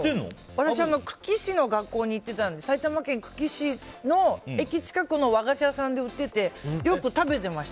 私、久喜市の学校に行ってたので埼玉県久喜市の駅近くの和菓子屋さんで売ってて、よく食べてました。